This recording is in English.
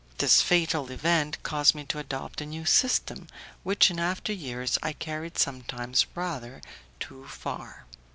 This fatal event caused me to adopt a new system, which in after years I carried sometimes rather too far.